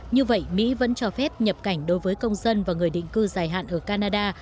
như vậy mỹ vẫn cho phép nhập cảnh đối với công dân và người định cư dài hạn ở canada